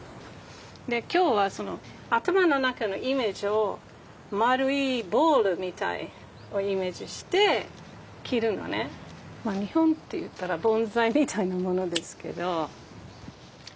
で今日は頭の中のイメージを丸いボールみたいをイメージして切るのね。まあ日本で言ったら盆栽みたいなものですけど。